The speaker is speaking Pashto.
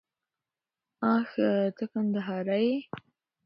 آښه ته کندهاری يې؟